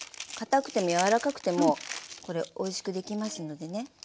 かたくても柔らかくてもこれおいしくできますのでね。